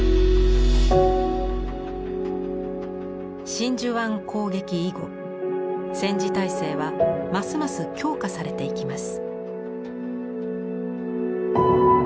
真珠湾攻撃以後戦時体制はますます強化されていきます。